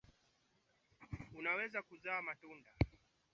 unaweza kuzaa matunda yeyote utawala wa rais benin akinu noinoi